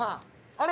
あれ？